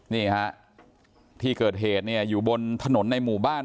นี่ฮะที่เกิดเหตุเนี่ยอยู่บนถนนในหมู่บ้าน